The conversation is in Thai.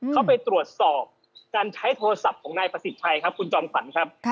เข้าไปตรวจสอบการใช้โทรศัพท์ของนายประสิทธิ์ชัยครับคุณจอมขวัญครับ